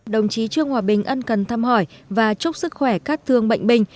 đồng chí trương hòa bình ân cần thăm hỏi và chúc sức khỏe các thương bệnh binh